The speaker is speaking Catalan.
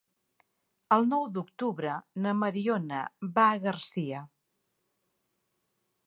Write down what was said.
El nou d'octubre na Mariona va a Garcia.